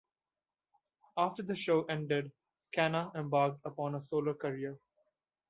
After the show ended, Kana embarked upon a solo career.